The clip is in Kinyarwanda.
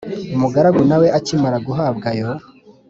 umugaragu nawe akimara guhabwa ayo